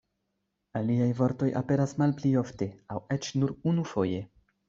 Aliaj vortoj aperas malpli ofte, aŭ eĉ nur unufoje.